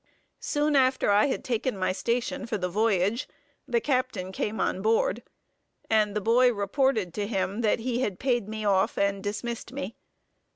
Soon after I had taken my station for the voyage, the captain came on board, and the boy reported to him that he had paid me off, and dismissed me.